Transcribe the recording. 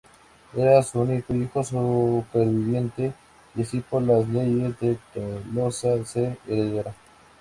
Era su único hijo superviviente, y así, por las leyes de Tolosa, su heredera.